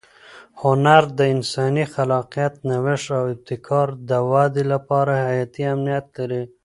هنر د انساني خلاقیت، نوښت او ابتکار د وده لپاره حیاتي اهمیت لري.